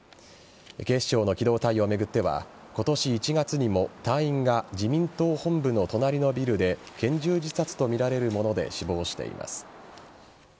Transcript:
警視庁の機動隊を巡っては今年１月にも隊員が自民党本部の隣のビルで拳銃自殺とみられるもので死亡しています。